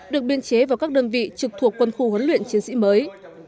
được biên chế vào các đơn vị trực thuộc quân khu huấn luyện chiến sĩ mới